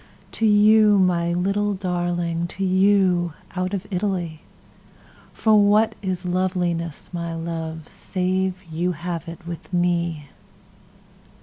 To you, my little darling, To you, out of Italy.For what is loveliness, my love, Save you have it with me!